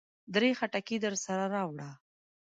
درې خټکي درسره راوړه.